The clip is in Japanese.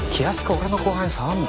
俺の後輩に触るな。